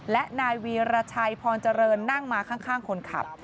และนายวีรชัยพรเจริญนั่งมาข้างคนขับ